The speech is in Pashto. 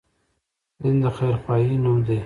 دين د خير خواهي نوم دی